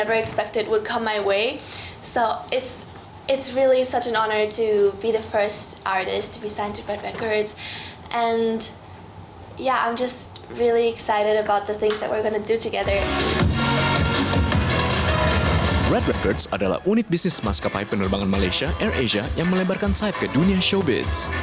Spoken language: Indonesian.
red records adalah unit bisnis maskapai penerbangan malaysia air asia yang melebarkan saib ke dunia showbiz